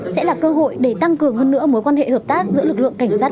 sẽ là cơ hội để tăng cường hơn nữa mối quan hệ hợp tác giữa lực lượng cảnh sát